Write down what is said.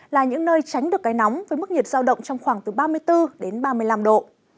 là những nơi tránh được cái nóng với mức nhiệt giao động trong khoảng từ ba mươi bốn đến ba mươi năm độ